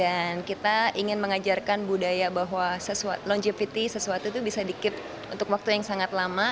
dan kita ingin mengajarkan budaya bahwa longevity sesuatu itu bisa di keep untuk waktu yang sangat lama